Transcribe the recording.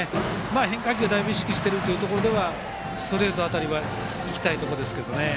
変化球をだいぶ意識しているというところでストレート辺りはいきたいところですが。